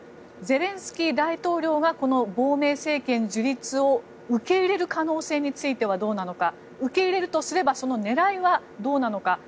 ゼレンスキー大統領が亡命政権樹立を受け入れる可能性についてはどうなのか受け入れるとすればその狙いはどうなのか。